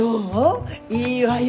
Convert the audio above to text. いいわよ